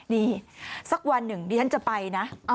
นี่สักวันหนึ่งดิฉันจะไปนะ